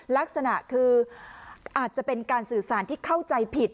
ลักษณะคืออาจจะเป็นการสื่อสารที่เข้าใจผิด